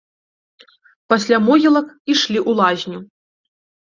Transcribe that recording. Пасля могілак ішлі ў лазню.